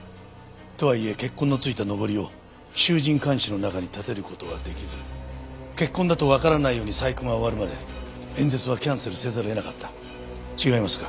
とはいえ血痕の付いたのぼりを衆人環視の中に立てる事はできず血痕だとわからないように細工が終わるまで演説はキャンセルせざるを得なかった。違いますか？